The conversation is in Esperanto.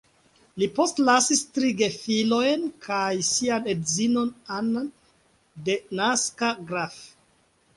Li postlasis tri gefilojn kaj sian edzinon Anna denaska Graf.